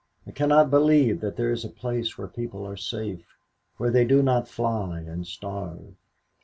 I cannot believe that there is a place where people are safe, where they do not fly and starve.